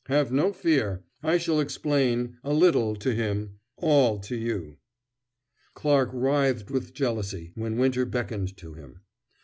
Have no fear I shall explain, a little to him, all to you." Clarke writhed with jealousy when Winter beckoned to him.